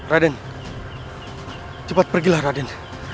raden cepat pergilah raden